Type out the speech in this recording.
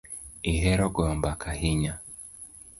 Ihero goyo mbaka ahinya